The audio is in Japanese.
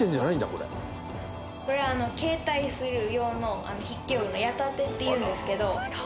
これ携帯する用の筆記用具の矢立っていうんですけど。